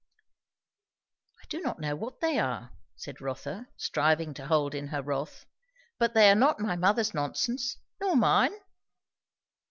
"I do not know what they are," said Rotha, striving to hold in her wrath, "but they are not my mother's nonsense, nor mine."